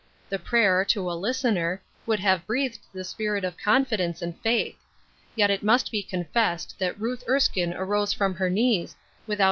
The prayer, to a listener, would have breathed the spirit of confidence and faith ; yet it must be confessed that Ruth Erskine arose from her knees witliout